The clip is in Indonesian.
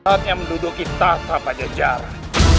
saatnya menduduki tata pada jalan